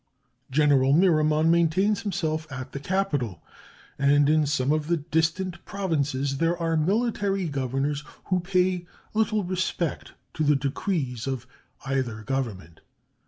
General Miramon maintains himself at the capital, and in some of the distant Provinces there are military governors who pay little respect to the decrees of either Government.